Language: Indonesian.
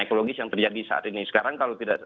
ekologis yang terjadi saat ini sekarang kalau tidak